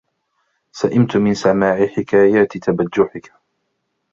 سئمت من سماع حكايات تبجحك.